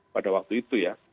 pada waktu itu ya